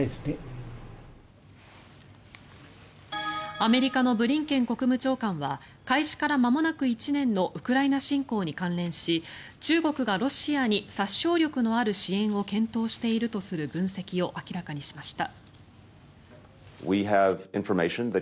アメリカのブリンケン国務長官は開始からまもなく１年のウクライナ侵攻に関連し中国がロシアに殺傷力のある支援を検討しているとする分析を明らかにしました。